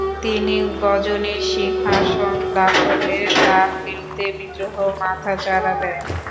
তিনি গজনির সিংহাসন লাভ করলে তার বিরুদ্ধে বিদ্রোহ মাথাচাড়া দেয়।